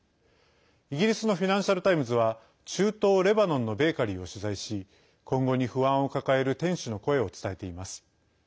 イギリスのフィナンシャル・タイムズは中東レバノンのベーカリーを取材し今後に不安を抱える店主の声を伝えています。